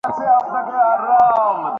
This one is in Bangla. আশা আর থাকিতে পারিল না।